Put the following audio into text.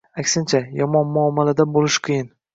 aksincha, yomon muomalada bo'lish qiyin.